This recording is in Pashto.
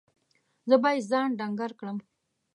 زه باید ځان ډنګر کړم.